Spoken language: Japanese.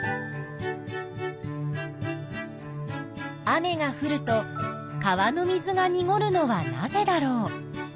雨がふると川の水がにごるのはなぜだろう？